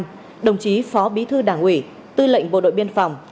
ban thường vụ đảng ủy và đồng chí bí thư đảng ủy tư lệnh bộ đội biên phòng